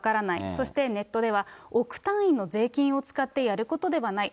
そして、ネットでは、億単位の税金を使ってやることではない。